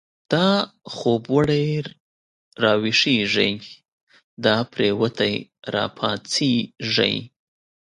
دا خوب وړی راويښږی، دا پريوتی را پا څيږی